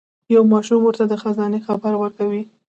یو ماشوم ورته د خزانې خبر ورکوي.